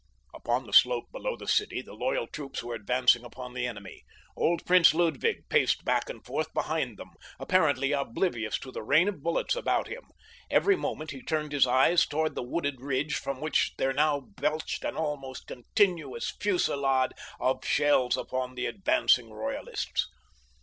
Upon the slope below the city the loyal troops were advancing upon the enemy. Old Prince Ludwig paced back and forth behind them, apparently oblivious to the rain of bullets about him. Every moment he turned his eyes toward the wooded ridge from which there now belched an almost continuous fusillade of shells upon the advancing royalists.